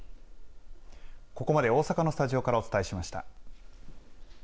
ここまで大阪のスタジオからお伝えしました。